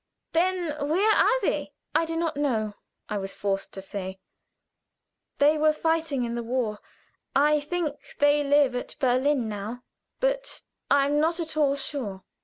Then where are they?" "I do not know," I was forced to say. "They were fighting in the war. I think they live at Berlin now, but I am not at all sure."